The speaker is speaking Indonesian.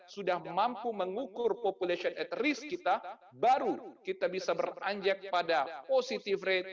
sudah mampu mengukur population at risk kita baru kita bisa beranjak pada positive rate